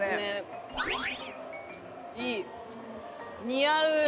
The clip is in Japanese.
似合う！